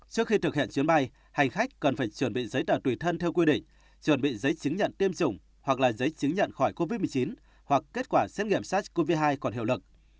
trước khi thực hiện chuyến bay hành khách cần phải chuẩn bị giấy tờ tùy thân theo quy định chuẩn bị giấy chứng nhận tiêm chủng hoặc là giấy chứng nhận khỏi covid một mươi chín hoặc kết quả xét nghiệm sars cov hai còn hiệu lực